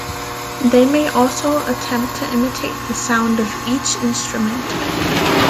They may also attempt to imitate the sound of each instrument.